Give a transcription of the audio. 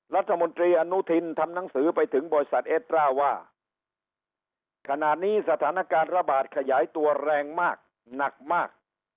รัฐมนตรีอนุทินทำหนังสือไปถึงบริษัทเอสตราว่าขณะนี้สถานการณ์ระบาดขยายตัวแรงมากหนักมาก